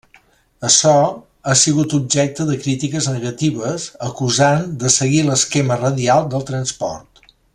Açò ha sigut objecte de crítiques negatives acusant de seguir l'esquema radial del transport.